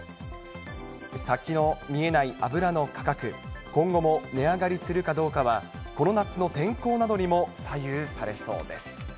先の見えない油の価格、今後も値上がりするかどうかは、この夏の天候などにも左右されそうです。